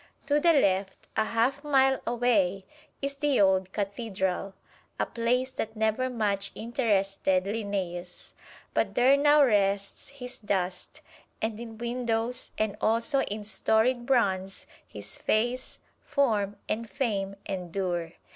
To the left, a half mile away, is the old cathedral a place that never much interested Linnæus. But there now rests his dust, and in windows and also in storied bronze his face, form and fame endure.